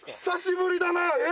久しぶりだな。